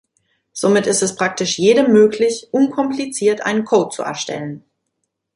Somit ist es praktisch jedem möglich, unkompliziert einen Code zu erstellen.